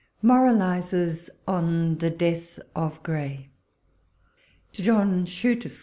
MORALISES ON THE DEATH OF QUAY. To John Chute, Esq.